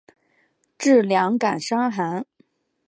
治两感伤寒。